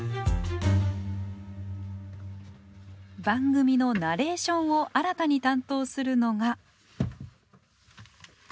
番組のナレーションを新たに担当するのが。